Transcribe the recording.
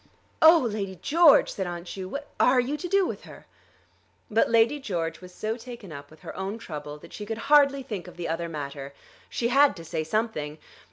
"Oh, Lady George," said Aunt Ju, "what are you to do with her?" But Lady George was so taken up with her own trouble that she could hardly think of the other matter. She had to say something.